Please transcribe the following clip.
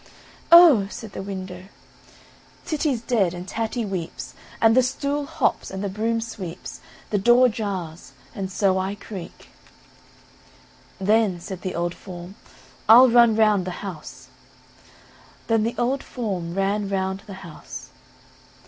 "Oh!" said the window, "Titty's dead, and Tatty weeps, and the stool hops, and the broom sweeps, the door jars, and so I creak." "Then," said the old form, "I'll run round the house;" then the old form ran round the house.